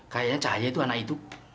kayaknya cahaya itu anak itu